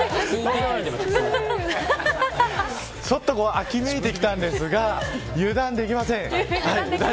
秋めいてきたんですが油断できません。